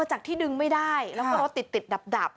จากที่ดึงไม่ได้แล้วก็รถติดดับ